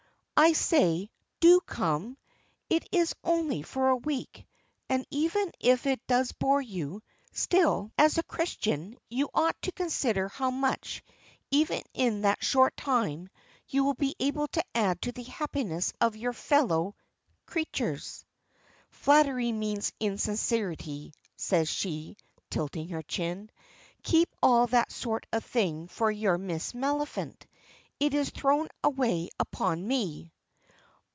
I say, do come! It is only for a week, and even if it does bore you, still, as a Christian, you ought to consider how much, even in that short time, you will be able to add to the happiness of your fellow creatures." "Flattery means insincerity," says she, tilting her chin, "keep all that sort of thing for your Miss Maliphant; it is thrown away upon me."